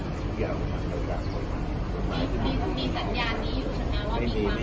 ก็ทุกอย่างต้องทำไปตาม